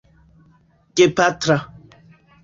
gepatra